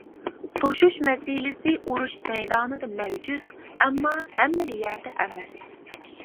توشۇش مەسىلىسى ئۇرۇش مەيدانىدا مەۋجۇت، ئەمما ھەممىلا يەردە ئەمەس.